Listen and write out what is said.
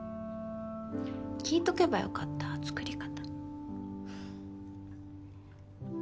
聞いとけば良かった作り方。